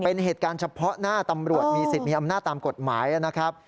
เป็นเหตุการณ์เฉพาะหน้าตำรวจมีสิทธิ์มีอำนาจตามกฎหมายนะครับ